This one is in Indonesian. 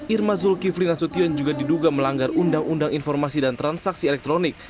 irma zulkifli nasution juga diduga melanggar undang undang informasi dan transaksi elektronik